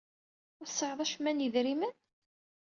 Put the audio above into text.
Ur tesɛiḍ acemma n yedrimen?